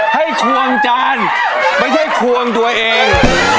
ควงจานไม่ใช่ควงตัวเอง